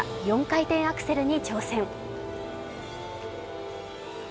４回転アクセルに挑戦。